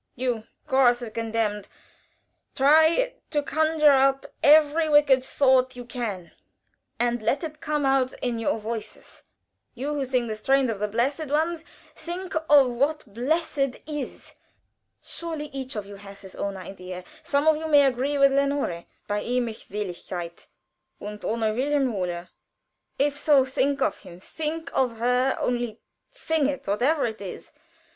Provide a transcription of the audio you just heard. "You, Chorus of the Condemned, try to conjure up every wicked thought you can, and let it come out in your voices you who sing the strains of the blessed ones, think of what blessedness is. Surely each of you has his own idea! Some of you may agree with Lenore: "'Bei ihm, bei ihm ist Seligkeit, Und ohne Wilhelm Holle!' "If so, think of him; think of her only sing it, whatever it is.